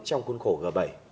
trong khuôn khổ g bảy